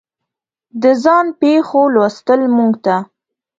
د ځان پېښو لوستل موږ ته